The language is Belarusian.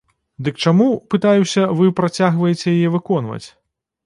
Дык чаму, пытаюся, вы працягваеце яе выконваць?